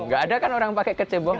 nggak ada kan orang pakai kecebong